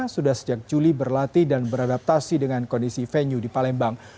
sudah sejak juli berlatih dan beradaptasi dengan kondisi venue di palembang